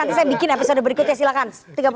nanti saya bikin episode berikutnya silahkan